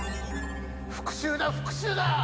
復讐だ復讐だ！